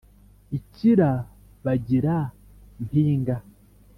i kirabagira-mpinga